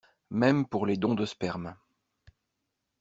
Même pour les dons de sperme.